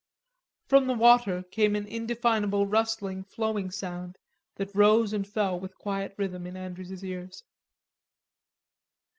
From the water came an indefinable rustling, flowing sound that rose and fell with quiet rhythm in Andrews's ears.